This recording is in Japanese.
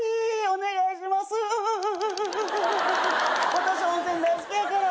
私温泉大好きやから。